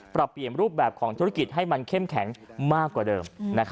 ปรับเปลี่ยนรูปแบบของธุรกิจให้มันเข้มแข็งมากกว่าเดิม